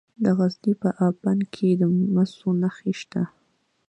د غزني په اب بند کې د مسو نښې شته.